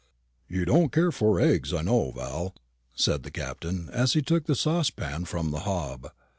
"You don't care for eggs, I know, Val," said the Captain, as he took the saucepan from the hob.